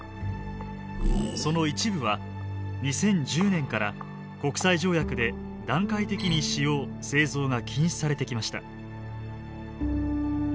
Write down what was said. その一部は２０１０年から国際条約で段階的に使用・製造が禁止されてきました。